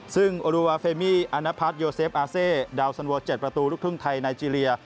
ซึ่งอลูวาเฟมี่อันนาพาร์ตโยเซฟอาเซดาวสันวส๗ประตูลูกทุ่งไทยไนเจลีย